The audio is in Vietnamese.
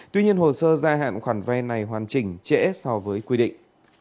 tuy nhiên hồ sơ gia hạn khoản vay này hoàn chỉnh trễ so với quy định